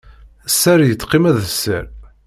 Sser yettqima d sser.